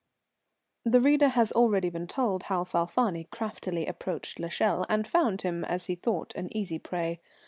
[_The reader has already been told how Falfani craftily approached l'Echelle, and found him, as he thought, an easy prey.